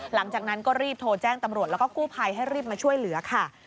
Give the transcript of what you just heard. หลังจากนั้นก็รีบโทรแจ้งตำรวจแล้วก็กู้ภัยให้รีบมาช่วยเหลือค่ะ